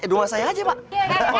eh rumah saya aja pak